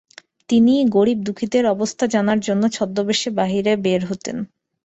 তিনি গরিব দুঃখীদের অবস্থা জানার জন্য ছন্দবেশে বাহিরে বের হতেন।